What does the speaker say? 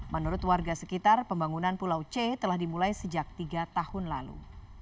menurut warga sekitar pembangunan pulau c telah dimulai sejak tiga tahun lalu